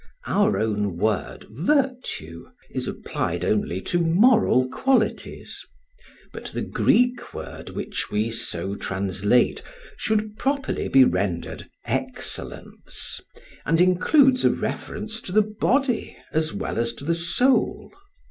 Our own word "virtue" is applied only to moral qualities; but the Greek word which we so translate should properly be rendered "excellence," and includes a reference to the body as well as to the soul.